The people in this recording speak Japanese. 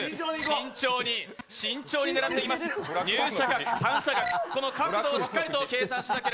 慎重に慎重に狙っていく。